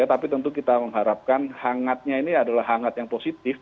tapi tentu kita mengharapkan hangatnya ini adalah hangat yang positif